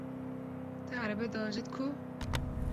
Te erebe diajot ku?